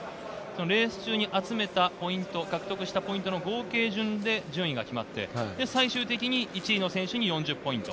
レース中に集めたポイントを獲得したポイントの合計順で順位が決まって、最終的に１位の選手に４０ポイント。